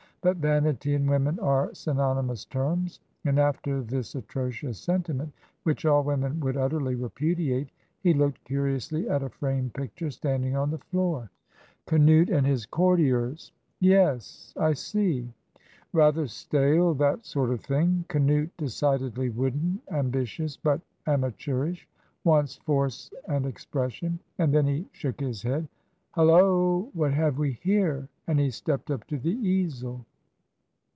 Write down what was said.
But vanity and women are synonymous terms." And after this atrocious sentiment which all women would utterly repudiate he looked curiously at a framed picture standing on the floor. "'Canute and his Courtiers.' Yes, I see; rather stale, that sort of thing. 'Canute' decidedly wooden, ambitious, but amateurish wants force and expression." And then he shook his head. "Hulloa, what have we here?" and he stepped up to the easel.